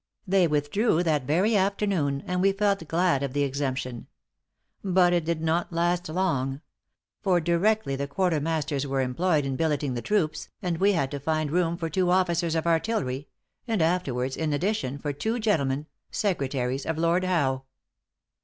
They withdrew that very afternoon, and we felt glad of the exemption. But it did not last long; for directly the quartermasters were employed in billeting the troops, and we had to find room for two officers of artillery; and afterwards, in addition, for two gentlemen, secretaries of Lord Howe."